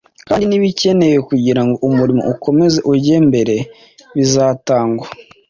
kandi n’ibikenewe kugira ngo umurimo ukomeze ujye mbere bizatangwa.